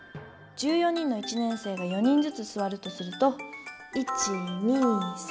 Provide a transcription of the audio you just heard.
１４人の一年生が４人ずつすわるとすると１２３きゃく！